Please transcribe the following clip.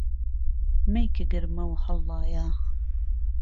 مهیکه گرمه و ههڵڵايه